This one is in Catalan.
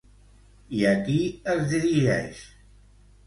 I a qui es dirigeix?